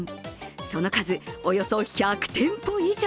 その数、およそ１００店舗以上。